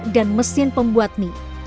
dan mesin pembuat mie